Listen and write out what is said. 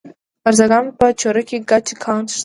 د ارزګان په چوره کې د ګچ کان شته.